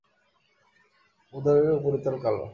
উদরের উপরিতল কালো।